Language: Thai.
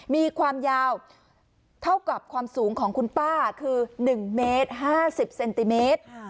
มีความยาวเท่ากับความสูงของคุณป้าคือ๑เมตร๕๐เซนติเมตร